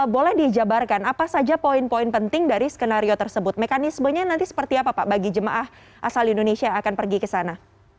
boleh dijabarkan apa saja poin poin penting dari skenario tersebut mekanismenya nanti seperti apa pak bagi jemaah asal indonesia yang akan pergi ke sana